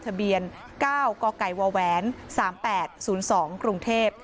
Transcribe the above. ทะเบียน๙กกว๓๘๐๒กรุงเทพฯ